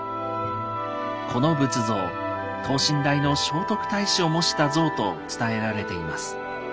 この仏像等身大の聖徳太子を模した像と伝えられています。